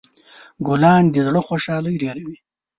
ګلان د زړه خوشحالي ډېروي.